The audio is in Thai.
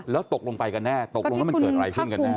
แล้วตกลงไปกันแน่ตกลงแล้วมันเกิดอะไรขึ้นกันแน่